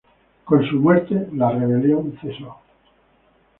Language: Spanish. Con su muerte, la rebelión cesó.